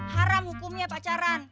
haram hukumnya pacaran